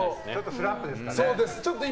スランプですかね。